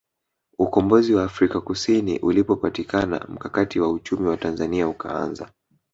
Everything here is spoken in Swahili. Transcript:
Ukombozi wa Afrika Kusini ulipopatikana mkakati wa uchumi wa Tanzania ukaanza